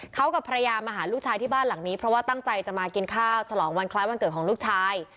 เขากับภรรยามาหาลูกชายที่บ้านหลังนี้เพราะว่าตั้งใจจะมากินข้าวฉลองวันคล้ายวันเกิดของลูกชาย